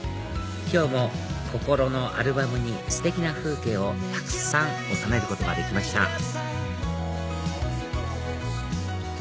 今日も心のアルバムにステキな風景をたくさん収めることができました